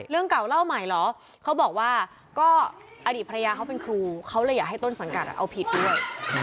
เรื่องเก่าเล่าใหม่เหรอเขาบอกว่าก็อดีตภรรยาเขาเป็นครูเขาเลยอยากให้ต้นสังกัดเอาผิดด้วย